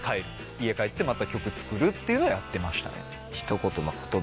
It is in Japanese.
家帰ってまた曲作るっていうのをやってましたね。